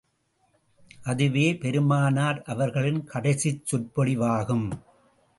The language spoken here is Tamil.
அதுவே பெருமானார் அவர்களின் கடைசிச் சொற்பொழிவாகும்.